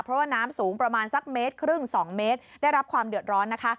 เพราะว่าน้ำสูงประมาณ๑๕๒เมตรได้รับความเดือดร้อนนะคะ